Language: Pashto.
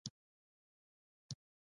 پاچا ته محتاج وي.